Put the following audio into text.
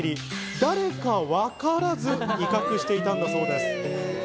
誰かわからず威嚇していたんだそうです。